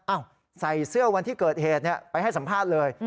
ใส่เสื้อวันที่เกิดเหตุไปให้สัมภาษณ์เลย